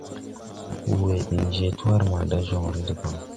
Wowe din je twar maga da jonre deban.